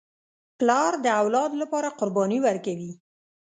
پلار د اولاد لپاره قرباني ورکوي.